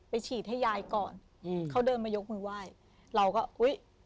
ฉีดให้ยายก่อนอืมเขาเดินมายกมือไหว้เราก็อุ้ย